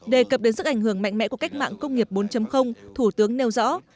đề cập đến sức ảnh hưởng mạnh mẽ của cách mạng công nghiệp bốn thủ tướng nêu rõ